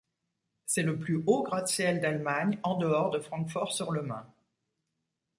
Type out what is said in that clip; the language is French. C'est le plus haut gratte-ciel d'Allemagne en dehors de Francfort-sur-le-Main.